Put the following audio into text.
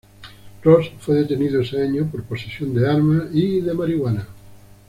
Ross fue detenido ese año por posesión de armas y de marihuana.